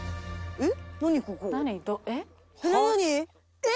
えっ！？